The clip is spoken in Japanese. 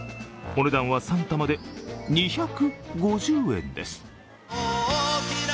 お値段は３玉で２５０円です。